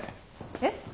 えっ？